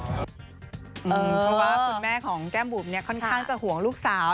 เพราะว่าคุณแม่ของแก้มบุ๋มเนี่ยค่อนข้างจะห่วงลูกสาว